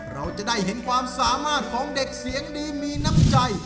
เราจะได้เห็นความสามารถของเด็กเสียงดีมีน้ำใจ